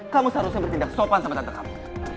kamu seharusnya bertindak sopan sama tante kamu